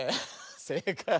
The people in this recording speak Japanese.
せいかい！